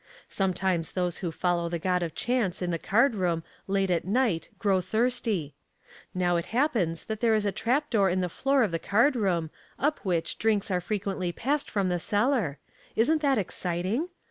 Sometimes those who follow the god of chance in the card room late at night grow thirsty. Now it happens that there is a trap door in the floor of the card room, up which drinks are frequently passed from the cellar. Isn't that exciting?